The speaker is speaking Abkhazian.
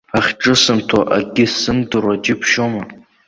Ахьҿысымҭуа акгьы сзымдыруа џьыбшьома?!